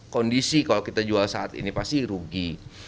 kondisi kalau kita jual saat ini pasti rugi